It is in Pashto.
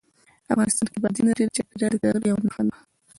افغانستان کې بادي انرژي د چاپېریال د تغیر یوه نښه ده.